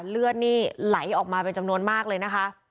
เลือดนี่ไหลออกมาเป็นจำนวนมากเลยนะคะ